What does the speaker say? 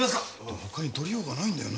他に取りようがないんだよな。